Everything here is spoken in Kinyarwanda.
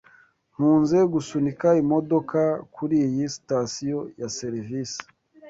Nkunze gusunika imodoka kuriyi sitasiyo ya serivisi.